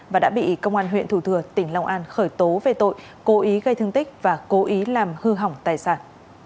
và đã bị công an huyện thủ thừa tỉnh long an khởi tố về tội cố ý gây thương tích và cố ý làm hư hỏng tài sản